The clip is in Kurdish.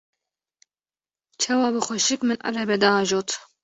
çawa bi xweşik min erebe diajot.